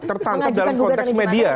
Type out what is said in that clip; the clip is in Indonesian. tertancak dalam konteks media